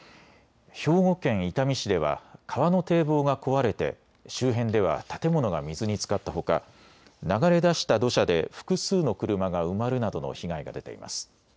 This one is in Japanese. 兵庫県伊丹市では川の堤防が壊れて周辺では建物が水につかったほか流れ出した土砂で複数の車が埋まるなどの被害が出ています。